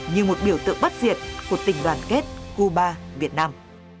như một biểu tượng bất diệt của tình đoàn kết cuba việt nam